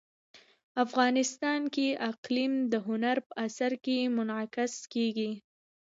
افغانستان کې اقلیم د هنر په اثار کې منعکس کېږي.